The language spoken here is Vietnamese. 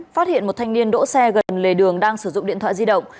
phát hiện một thanh niên đỗ xe gần lề đường đang sử dụng điện thoại di động